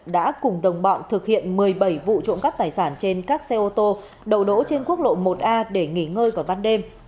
đã cùng đồng bọn thực hiện một mươi bảy vụ trộm cắp tài sản trên các xe ô tô đầu đỗ trên quốc lộ một a để nghỉ ngơi vào ban đêm